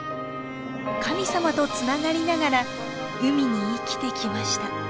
神様とつながりながら海に生きてきました。